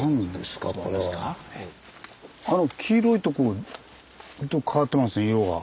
あの黄色いとこ変わってます色が。